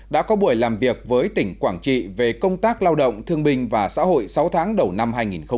đã có buổi làm việc với tỉnh quảng trị về công tác lao động thương binh và xã hội sáu tháng đầu năm hai nghìn một mươi chín